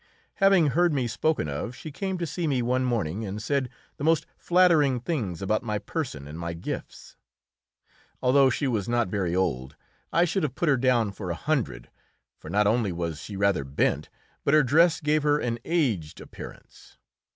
Having heard me spoken of, she came to see me one morning and said the most flattering things about my person and my gifts. Although she was not very old, I should have put her down for a hundred, for not only was she rather bent, but her dress gave her an aged appearance.